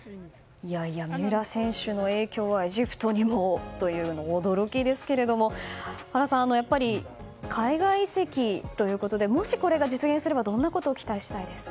三浦選手の影響はエジプトにもというのは驚きですけれども原さん、海外移籍ということでもしこれが実現すればどんなことを期待したいですか？